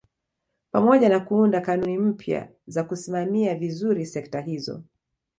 Pamoja na kuunda kanuni mpya za kusimamia vizuri sekta hizo